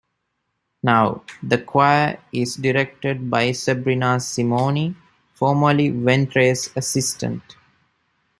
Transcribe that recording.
Now, the choir is directed by Sabrina Simoni, formerly Ventre's assistant.